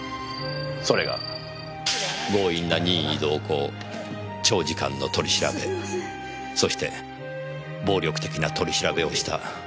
それが強引な任意同行長時間の取り調べそして暴力的な取り調べをした言い訳ですか。